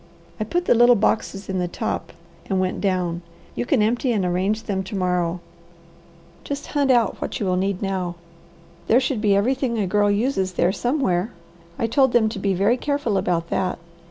I put the little boxes in the top and went down. You can empty and arrange them to morrow. Just hunt out what you will need now. There should be everything a girl uses there somewhere. I told them to be very careful about that.